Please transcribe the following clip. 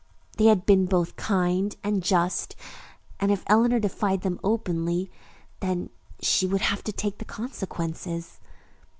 They had been both kind and just, and if Eleanor defied them openly, then she would have to take the consequences.